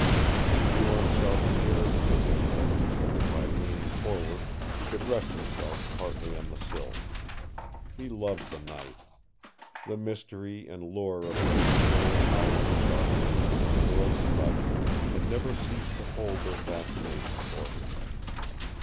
He drew himself nearer to the window, so that by leaning forward he could rest himself partly on the sill. He loved the night. The mystery and lure of those still hours of darkness when the world slept had never ceased to hold their fascination for him.